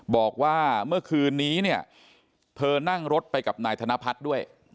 บอกว่าเมื่อคืนนี้เนี่ยเธอนั่งรถไปกับนายธนพัฒน์ด้วย